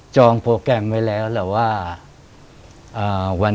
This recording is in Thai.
โปรแกรมไว้แล้วแหละว่า